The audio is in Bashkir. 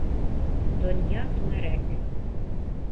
Донъя түңәрәк.